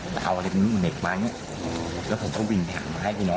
แต่เอาอะไรครึ่งเหม็ดมานี้แล้วผมก็วิ่งดังมาให้พี่น้อย